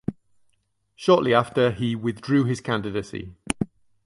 Shortly after he withdrew his candidacy.